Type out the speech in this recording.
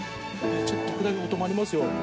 ちょっと暗い事もありますよ。